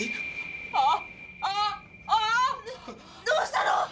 どうしたの？